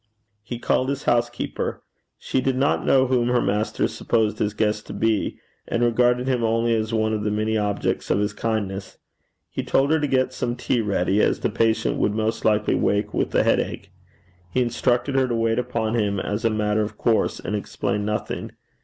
He called his housekeeper. She did not know whom her master supposed his guest to be, and regarded him only as one of the many objects of his kindness. He told her to get some tea ready, as the patient would most likely wake with a headache. He instructed her to wait upon him as a matter of course, and explain nothing.